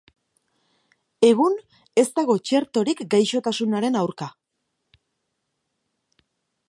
Egun, ez dago txertorik gaixotasunaren aurka.